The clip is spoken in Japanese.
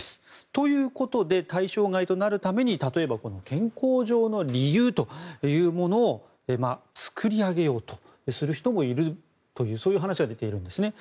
ということで対象外となるために例えばこの健康上の理由というものを作り上げようとする人もいるというそういう話も出ているんです。